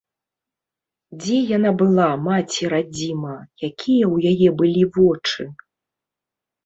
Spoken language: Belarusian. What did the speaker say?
Дзе яна была, маці-радзіма, якія ў яе былі вочы?